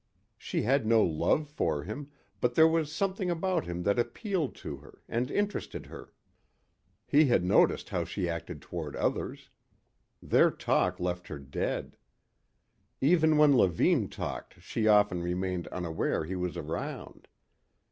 She had no love for him but there was something about him that appealed to her and interested her. He had noticed how she acted toward others. Their talk left her dead. Even when Levine talked she often remained unaware he was around.